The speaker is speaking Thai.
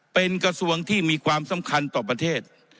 เป็นกระทรวงที่มีความสำคัญต่อประเทศ